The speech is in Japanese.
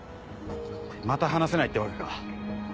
また話せないってわけか。